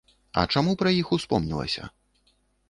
А чаму пра іх успомнілася?